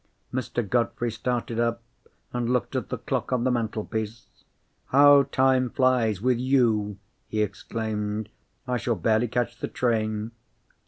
Mr. Godfrey started up, and looked at the clock on the mantelpiece. "How time flies with you!" he exclaimed. "I shall barely catch the train."